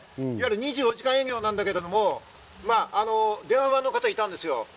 ２４時間営業なんだけれども、電話番の方、いたんですよ。